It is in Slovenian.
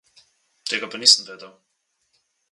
Tega pa nisem vedel.